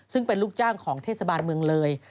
ซึ่งเป็นลูกจ้างของเทศบาลเมืองเลย